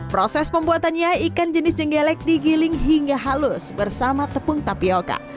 proses pembuatannya ikan jenis jenggelek digiling hingga halus bersama tepung tapioca